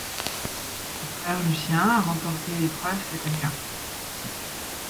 Son frère Lucien a remporté l'épreuve cette année-là.